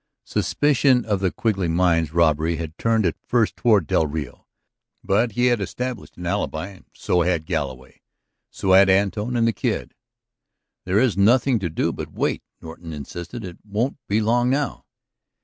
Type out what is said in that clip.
Suspicion of the Quigley mines robbery had turned at first toward del Rio. But he had established an alibi. So had Galloway. So had Antone and the Kid. "There is nothing to do but wait," Norton insisted. "It won't be long now."